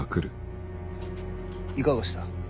いかがした。